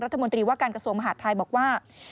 รัฐมนตรีว่าการกระทรวงมหาดไทยบอกว่า